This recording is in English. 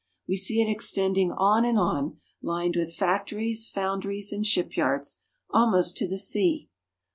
We see it extending on and on, lined with factories, foundries, and shipyards, almost to the sea.